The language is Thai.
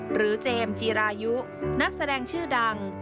เจมส์จีรายุนักแสดงชื่อดัง